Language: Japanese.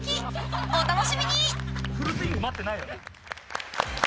お楽しみに！